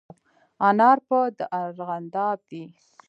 انار په د ارغانداب دي